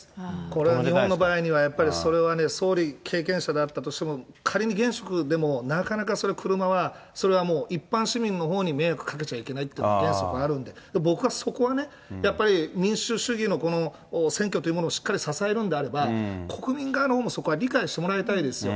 これは日本の場合には、やっぱりそれはね、総理経験者であったとしても、仮に現職でもなかなかそれ、車は、それはもう一般市民のほうに迷惑かけちゃいけないっていう原則あるんで、僕はそこはね、やっぱり民主主義のこの選挙というものをしっかり支えるんであれば、国民側のほうもそこは理解してもらいたいですよ。